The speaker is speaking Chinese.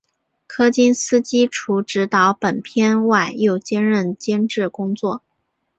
柯金斯基除执导本片外又兼任监制工作。